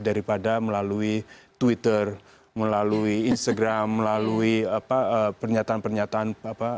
adalah melalui twitter melalui instagram melalui pernyataan pernyataan